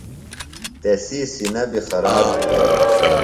تسی سِینہ بیۡ خراب بِھلوۡ۔